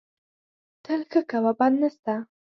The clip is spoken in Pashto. تل ښه کوه، بد نه سته